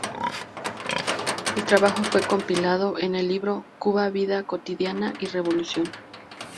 El trabajo fue compilado en el libro "Cuba, vida cotidiana y revolución".